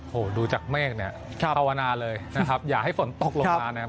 โอ้โหดูจากเมฆเนี่ยภาวนาเลยนะครับอย่าให้ฝนตกลงมานะครับ